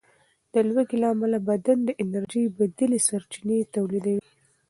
د لوږې له امله بدن د انرژۍ بدیلې سرچینې تولیدوي.